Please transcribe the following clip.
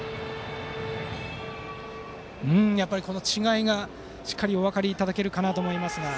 違いがしっかりお分かりいただけたかと思いますが。